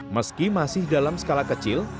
meski masih dalam skala kecil